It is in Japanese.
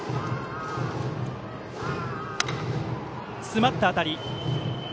詰まった当たり。